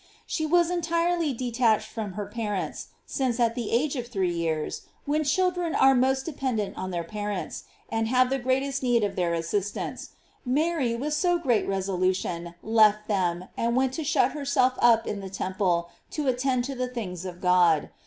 She was in deed entirely detached from her parents, since at the age of three years, when children are most dependent on their parents, and have the greatest need of their assistance, Mary with so great resolution left them, and went to shut her self up in the temple to attend to the things of God.